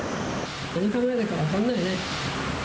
何考えてるか分かんないね。